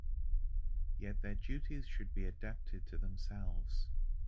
Yet their duties should be adapted to themselves.